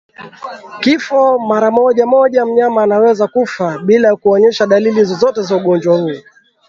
Kifo mara moja moja mnyama anaweza kufa bila kuonyesha dalili zozote za ugonjwa huu